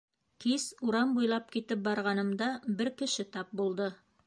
Кис урам буйлап китеп барғанымда, бер кеше тап булды.